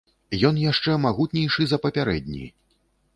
Ён яшчэ магутнейшы за папярэдні.